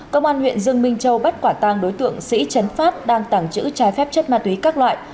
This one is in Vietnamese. công an huyện dương minh châu bắt quả tang đối tượng sĩ chấn phát đang tàng trữ trái phép chất ma túy các loại